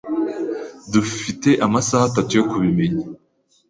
Dufite amasaha atatu yo kubimenya.